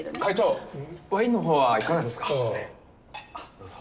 どうぞ。